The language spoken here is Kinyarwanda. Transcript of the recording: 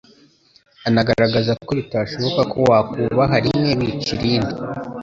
anagaragaza ko bitashoboka ko wakubaha rimwe wica irindi;